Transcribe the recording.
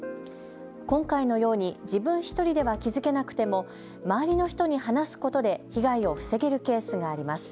今回のように自分１人では気付けなくても周りの人に話すことで被害を防げるケースがあります。